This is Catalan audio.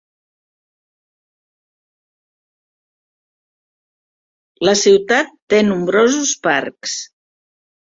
La ciutat té nombrosos parcs.